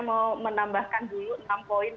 mau menambahkan dulu enam poin